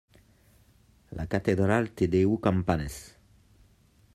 La catedral té deu campanes.